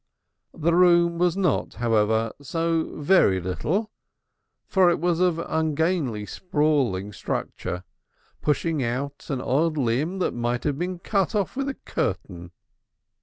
The room was not, however, so very little, for it was of ungainly sprawling structure, pushing out an odd limb that might have been cut off with a curtain.